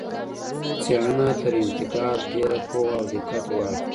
څېړنه تر انتقاد ډېره پوهه او دقت غواړي.